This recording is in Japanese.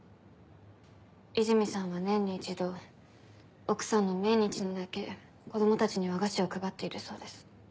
泉さんは年に１度奥さんの命日にだけ子供たちに和菓子を配っているそうです。